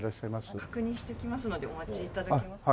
あっ確認してきますのでお待ち頂けますか？